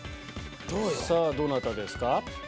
さぁどなたですか？